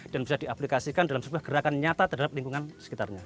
dan bisa diaplikasikan dalam sebuah gerakan nyata terhadap lingkungan sekitarnya